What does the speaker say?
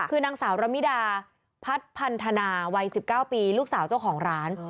คือนางสาวระมิดาพัดพันธนาวัย๑๙ปีลูกสาวเจ้าของร้าน